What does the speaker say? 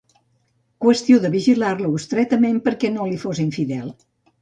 Qüestió de vigilar-lo estretament perquè no li fos infidel.